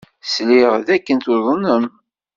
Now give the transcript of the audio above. Sliɣ dakken tuḍnem.